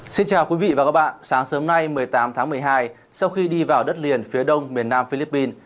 xin chào quý vị và các bạn sáng sớm nay một mươi tám tháng một mươi hai sau khi đi vào đất liền phía đông miền nam philippines